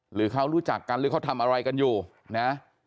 หรือเขารู้จักกันหรือเขาทำอะไรกันอยู่นะ